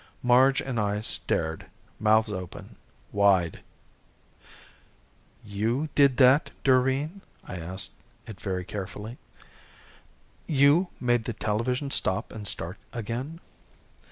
Marge and I stared. Mouths open. Wide. "You did that, Doreen?" I asked it very carefully. "You made the television stop and start again?"